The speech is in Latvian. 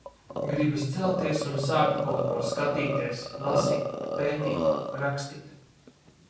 Gribas celties un sākt kaut ko skatīties, lasīt, pētīt, rakstīt.